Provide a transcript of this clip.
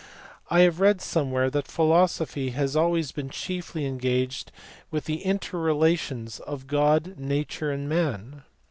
I have read somewhere that philosophy has always been chiefly en gaged with the inter relations of God, Nature, and Man.